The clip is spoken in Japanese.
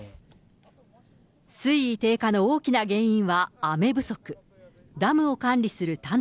水位低下の大きな原因は雨不足。